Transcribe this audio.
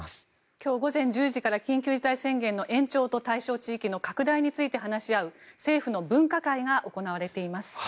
今日午前１０時から緊急事態宣言の延長と対象地域の拡大について話し合う政府の分科会が行われています。